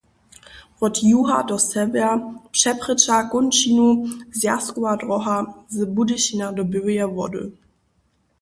Wot juha na sewjer přeprěča kónčinu zwjazkowa dróha z Budyšina do Běłeje Wody.